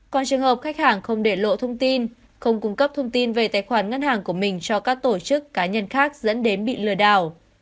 còn trường hợp khách hàng không để lộ thông tin không cung cấp thông tin về tài khoản ngân hàng của mình cho các tổ chức cá nhân khác dẫn đến bị lừa đảo